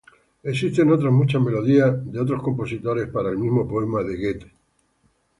Existen otras muchas melodías de otros compositores para el mismo poema de Goethe.